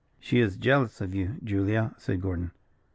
"She is jealous of you, Julia," said Gordon.